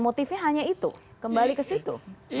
motifnya hanya itu kembali ke situ